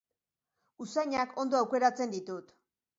Usainak ondo aukeratzen ditut.